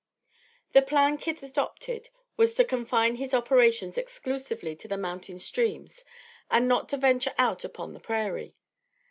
The plan Kit adopted was to confine his operations exclusively to the mountain streams and not to venture out upon the Prairie.